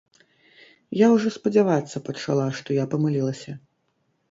Я ўжо спадзявацца пачала, што я памылілася.